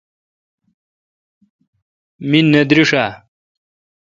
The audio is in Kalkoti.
می نہ درݭ اؘ۔